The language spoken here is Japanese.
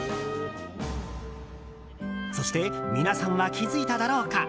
そして、皆さんは気づいただろうか。